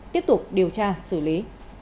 tiếp tục điều tra xử lý